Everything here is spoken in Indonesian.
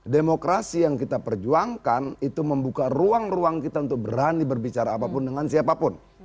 demokrasi yang kita perjuangkan itu membuka ruang ruang kita untuk berani berbicara apapun dengan siapapun